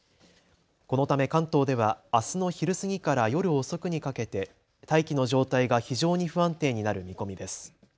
このため関東ではあすの昼過ぎから夜遅くにかけて大気の状態が非常に不安定になる見込みです。